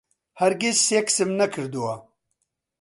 هەرگیز سێکسم نەکردووە.